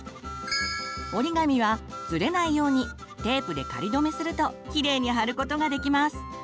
折り紙はズレないようにテープで仮止めするときれいに貼ることができます。